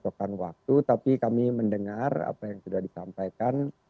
waktu tapi kami mendengar apa yang sudah disampaikan